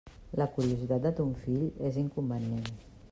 La curiositat de ton fill és inconvenient.